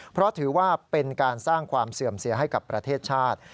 เพราะถือว่าเป็นการสร้างความเสื่อมเสียให้กับประเทศชาติ